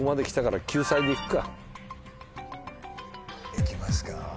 いきますか。